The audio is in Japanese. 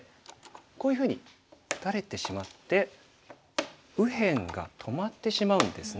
こういうふうに打たれてしまって右辺が止まってしまうんですね。